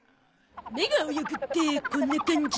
目が泳ぐってこんな感じ？